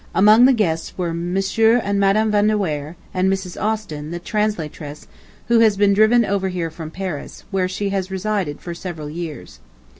Among the guests were M. and Madam Van de Weyer, and Mrs. Austin, the translatress, who has been driven over here from Paris, where she has resided for several years.